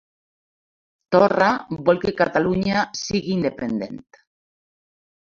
Torra vol que Catalunya sigui independent